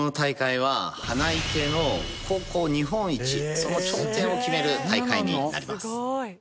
その頂点を決める大会になります。